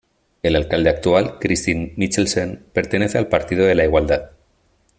El alcalde actual, Kristin Michelsen, pertenece a al Partido de la Igualdad.